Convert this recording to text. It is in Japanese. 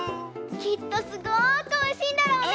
きっとすごくおいしいんだろうね。